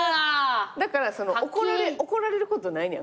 だから怒られることないねやんか。